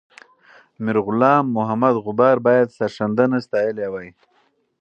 میرغلام محمد غبار باید سرښندنه ستایلې وای.